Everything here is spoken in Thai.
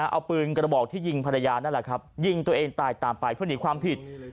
เอาปืนกระบอกที่ยิงภรรยานั่นแหละครับยิงตัวเองตายตามไปเพื่อหนีความผิด